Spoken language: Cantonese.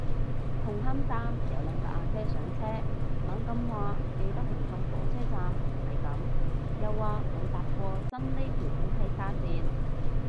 紅磡站有兩個阿姐上車，猛咁話記得紅磡火車站唔係噉，又話冇搭過新呢條烏溪沙綫